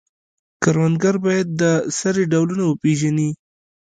کروندګر باید د سرې ډولونه وپیژني.